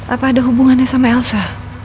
apa ada hubungannya sama elsa